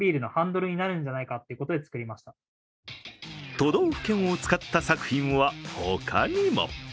都道府県を使った作品は他にも。